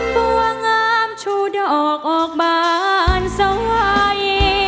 บัวงามชูดอกออกบานสวัย